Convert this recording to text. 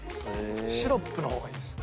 シロップの方がいいです。